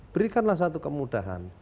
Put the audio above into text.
berikanlah satu kemudahan